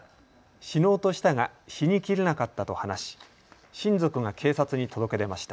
死のうとしたが死にきれなかったと話し親族が警察に届け出ました。